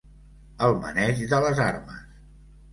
El maneig de les armes.